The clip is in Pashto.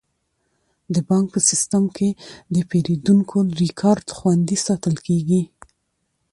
د بانک په سیستم کې د پیرودونکو ریکارډ خوندي ساتل کیږي.